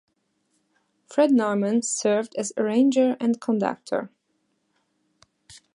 Fred Norman served as arranger and conductor.